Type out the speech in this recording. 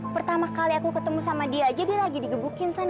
pertama kali aku ketemu sama dia aja dia lagi digebukin kan